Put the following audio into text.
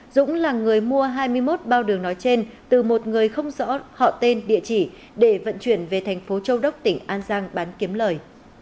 dũng là người mua hai mươi một bao đường nói trên từ một người không rõ họ tên địa chỉ để vận chuyển về thành phố châu đốc tỉnh an giang bán kiếm lời